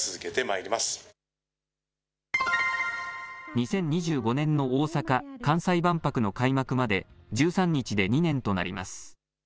２０２５年の大阪・関西万博の開幕まで、１３日で２年となります。